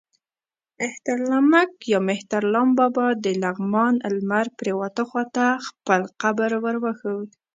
مهترلمک یا مهترلام بابا د لغمان لمر پرېواته خوا ته خپل قبر ور وښود.